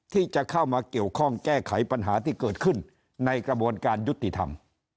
ที่จะเข้ามาเกี่ยวข้องแก้ไขปัญหาที่เกิดขึ้นในกระบวนการยุติธรรม